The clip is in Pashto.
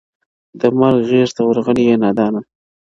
د مرګ غېږ ته ورغلی یې نادانه-